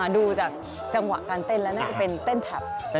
ดูจากจังหวะการเต้นแล้วน่าจะเป็นเต้นถับ